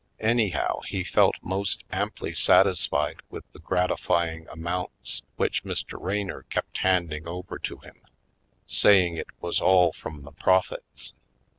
Anyhow, he felt most amply satis fied with the gratifying amounts v/hich Mr. Raynor kept handing over to him, saying it all was from the profits.